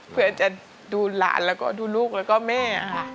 เพื่อจะดูหลานแล้วก็ดูลูกแล้วก็แม่ค่ะ